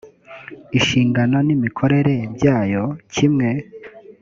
inshingano n imikorere byayo kimwe